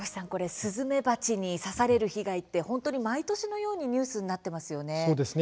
スズメバチに刺される被害は毎年のようにニュースになりますね。